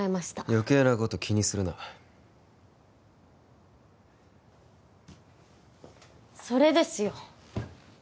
余計なこと気にするなそれですよ